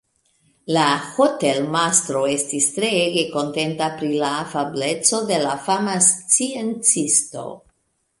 La hotelmastro estis treege kontenta pri la afableco de la fama sciencisto.